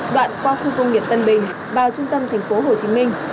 đoạn qua khu công nghiệp tân bình vào trung tâm tp hcm